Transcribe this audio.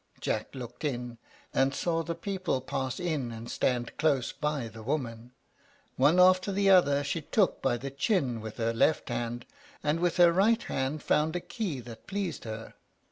Jack looked in, and saw the people pass in and stand close by the woman. One after the other she took by the chin with her left hand, and with her right hand found a key that pleased her.